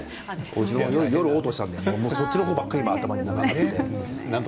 夜おう吐したのでそっちの方ばかり頭にあります。